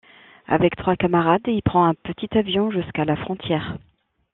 Avec trois camarades, il prend un petit avion jusqu'à la frontière.